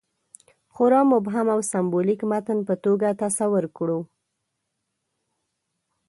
خورا مبهم او سېمبولیک متن په توګه تصور کړو.